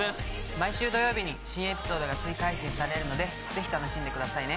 毎週土曜日に新エピソードが追加配信されるのでぜひ楽しんでくださいね。